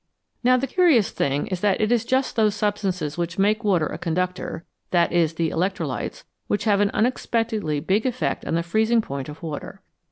Now the curious thing is that it is just those substances which make water a conductor that is, the electrolytes which have an unexpectedly big effect on the freezing point of water.